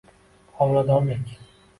Homiladorlik;